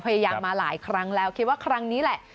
พยายามมาหลายครั้งแล้วคิดว่าครั้งนี้แหละ